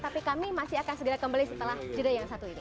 tapi kami masih akan segera kembali setelah jeda yang satu ini